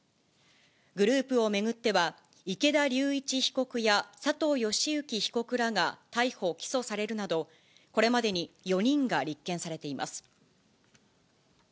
グループを巡っては、池田龍一被告や佐藤義行被告らが逮捕・起訴されるなど、これまでに４人が立件されています。